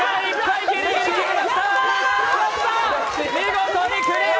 見事にクリア！